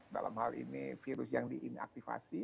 dalam hal ini virus yang di inaktivasi